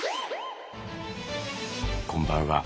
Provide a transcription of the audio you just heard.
こんばんは。